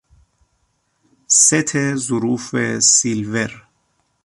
ست ظروف سیلور